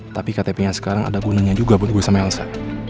tapi ktp nya sekarang ada gunanya juga buat gue sama elsa